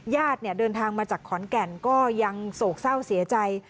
ญาติเดินทางมาจากขอนแก่นก็ยังโศกเศร้าเสียใจ